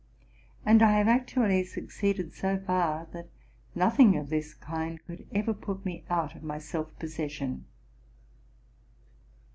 And I have actually succeeded so far, that nothing of this kind could ever put me out of my self possession.